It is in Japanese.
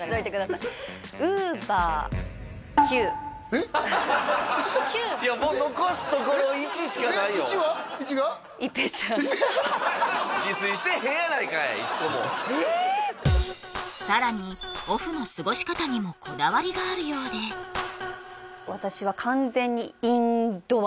いっこもさらにオフの過ごし方にもこだわりがあるようで私はインドア？